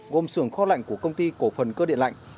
gồm sưởng kho lạnh của công ty cổ phần cơ điện lạnh